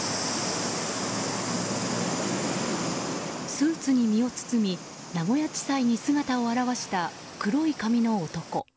スーツに身を包み名古屋地裁に姿を現した黒い髪の男。